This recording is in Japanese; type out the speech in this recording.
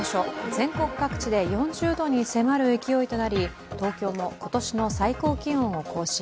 全国各地で４０度に迫る勢いとなり東京も今年の最高気温を更新。